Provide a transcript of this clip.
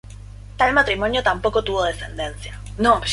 Tal matrimonio tampoco tuvo descendencia.